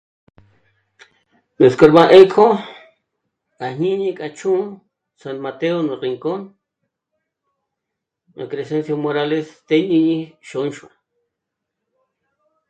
Núts'k'ó má 'é'e kjô'o à jñíñi k'a chjū̀'ū San Mateo nú Rincón, nú Crescencio Morales të́'ë ní jñíni Xônxua